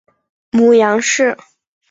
母杨氏。